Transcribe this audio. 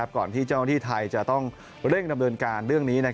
ก่อนที่เจ้าหน้าที่ไทยจะต้องเร่งดำเนินการเรื่องนี้